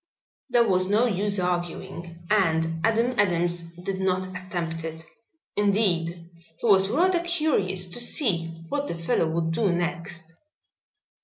There was no use arguing and Adam Adams did not attempt it. Indeed, he was rather curious to see what the fellow would do next.